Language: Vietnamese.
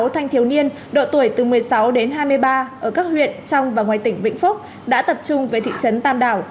hai trăm linh sáu thanh thiếu niên độ tuổi từ một mươi sáu đến hai mươi ba ở các huyện trong và ngoài tỉnh vĩnh phúc đã tập trung với thị trấn tam đảo